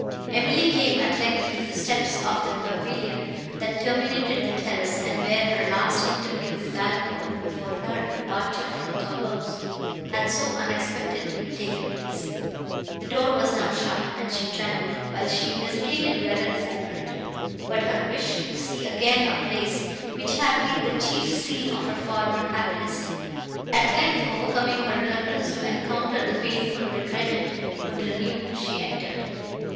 Emily came, at length, to the steps of the pavilion, that terminated the terrace, and where her last interview with Valancourt, before her departure from Thoulouse, had so unexpectedly taken place. The door was now shut, and she trembled, while she hesitated whether to open it; but her wish to see again a place, which had been the chief scene of her former happiness, at length overcoming her reluctance to encounter the painful regret it would renew, she entered.